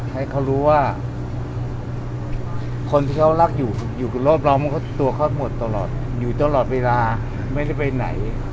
ให้เขารู้ว่า